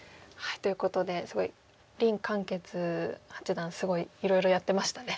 ということですごい林漢傑八段すごいいろいろやってましたね。